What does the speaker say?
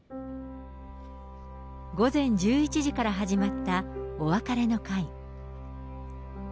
午前１１時から始まったお別れの会。